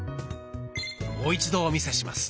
もう一度お見せします。